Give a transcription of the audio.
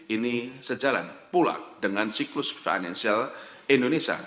ini sejalan pula dengan siklus financial indonesia